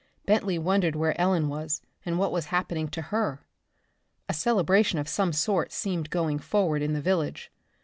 Bentley wondered where Ellen was and what was happening to her. A celebration of some sort seemed going forward in the village.